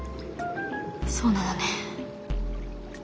そうなのね。